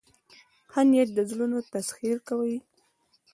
ښه نیت د زړونو تسخیر کوي.